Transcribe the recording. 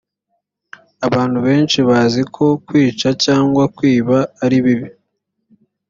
abantu benshi bazi ko kwica cyangwa kwiba ari bibi